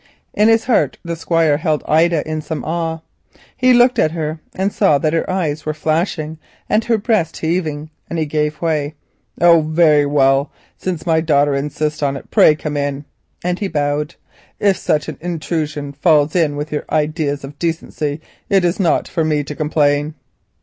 In his heart the Squire held Ida in some awe. He looked at her, and saw that her eyes were flashing and her breast heaving. Then he gave way. "Oh, very well, since my daughter insists on it, pray come in," and he bowed. "If such an intrusion falls in with your ideas of decency it is not for me to complain."